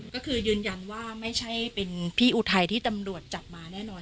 ก็คือยืนยันว่าไม่ใช่เป็นพี่อุทัยที่ตำรวจจับมาแน่นอน